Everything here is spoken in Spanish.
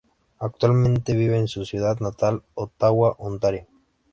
Actualmente vive en su ciudad natal: Ottawa, Ontario.